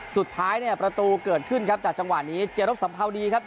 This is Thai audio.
สุดท้ายเนี่ยประตูเกิดขึ้นครับจากจังหวะนี้เจรบสัมภาวดีครับ